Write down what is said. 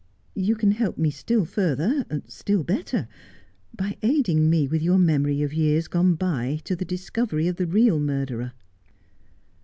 You can help me still further, still better, by aiding me with your memory of years gone by to the discovery of the real murderer.'